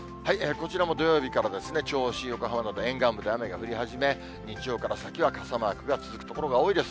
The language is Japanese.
こちらも土曜日から銚子、横浜など沿岸部で雨が降り始め、日曜から先は傘マークが続く所が多いです。